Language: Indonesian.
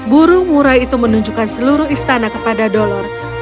burung murai itu menunjukkan seluruh istana kepada dolor